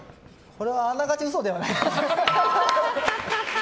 これはあながち嘘ではない。